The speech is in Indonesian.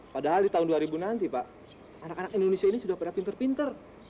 padahal di tahun dua ribu nanti pak anak anak indonesia ini sudah pada pinter pinter